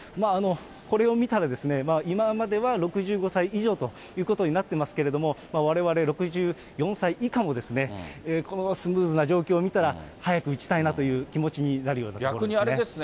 これを見たら、今までは６５歳以上ということになっていますけれども、われわれ６４歳以下もこのスムーズな状況を見たら、早く打ちたいなという気持ちになるような感じですね。